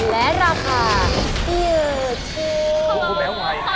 แรงกว่า